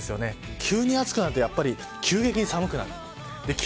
急に暑くなると急激に寒くなる。